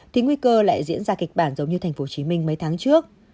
thì nguy cơ lại diễn ra kịch bản giống như tp hcm mấy tháng trước